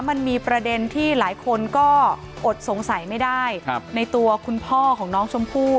มันมีประเด็นที่หลายคนก็อดสงสัยไม่ได้ในตัวคุณพ่อของน้องชมพู่